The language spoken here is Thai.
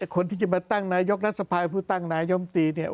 คนที่จะมาตั้งนายกรัฐสภาผู้ตั้งนายมตีเนี่ย